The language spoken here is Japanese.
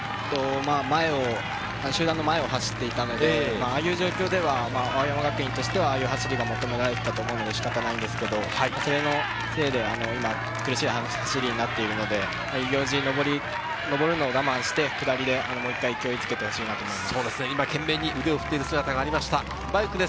集団の前を走っていたので、ああいう状況では青山学院としては、ああいう走りは仕方ないんですけど、それのせいで苦しい走りになっているので、遊行寺の上り、上るのを我慢して下りでもう一回勢いをつけてほしいです。